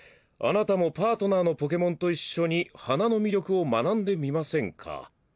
あなたもパートナーのポケモンと一緒に花の魅力を学んでみませんか」。